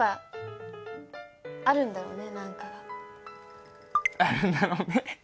あるんだろうね。